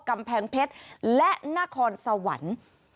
กำแพงเพชรและนครสวรรค์